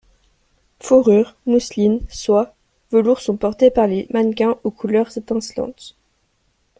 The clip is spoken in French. Fourrures, mousselines, soies, velours sont portés par les mannequins aux couleurs étincelantes.